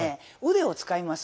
腕を使います。